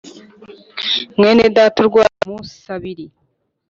mwene data urwaye mu musabiri